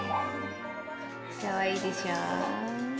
かわいいでしょ。